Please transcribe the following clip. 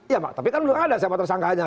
ya tapi kan belum ada siapa tersangkanya